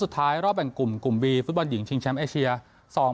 สุดท้ายรอบแห่งกลุ่มกลุ่มวีฟุตบอลหญิงชิงแชมป์เอเชียสอง